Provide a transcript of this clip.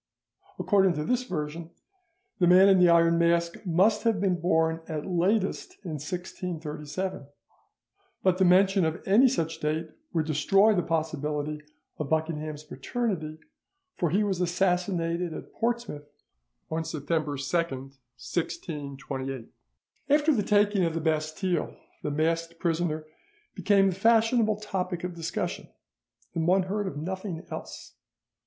According to this version, the Man in the Iron Mask must have been born at latest in 1637, but the mention of any such date would destroy the possibility of Buckingham's paternity; for he was assassinated at Portsmouth on September 2nd, 1628. After the taking of the Bastille the masked prisoner became the fashionable topic of discussion, and one heard of nothing else.